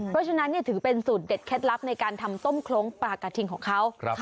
เพราะฉะนั้นถือเป็นสูตรเด็ดเคล็ดลับในการทำส้มคล้งปลากระทิงของเขา